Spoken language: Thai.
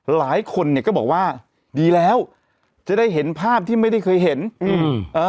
หลายคนเนี่ยก็บอกว่าดีแล้วจะได้เห็นภาพที่ไม่ได้เคยเห็นอืมเอ่อ